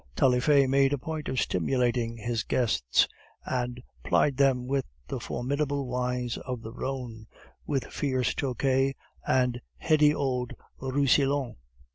Taillefer made a point of stimulating his guests, and plied them with the formidable wines of the Rhone, with fierce Tokay, and heady old Roussillon.